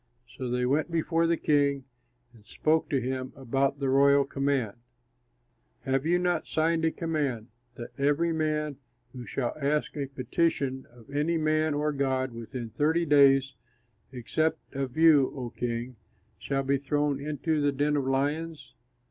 So they went before the king and spoke to him about the royal command: "Have you not signed a command, that every man who shall ask a petition of any man or god within thirty days, except of you, O king, shall be thrown into the den of lions?"